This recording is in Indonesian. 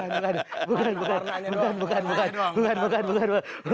bukan bukan bukan bukan bukan bukan bukan bukan bukan